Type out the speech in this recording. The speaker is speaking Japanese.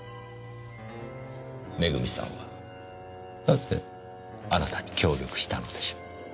恵さんはなぜあなたに協力したのでしょう？